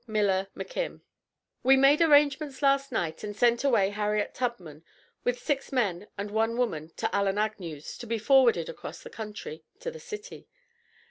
MILLER MCKIM: We made arrangements last night, and sent away Harriet Tubman, with six men and one woman to Allen Agnew's, to be forwarded across the country to the city.